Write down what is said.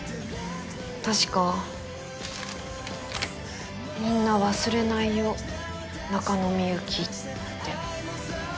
確か「みんな忘れないよ中野幸」って。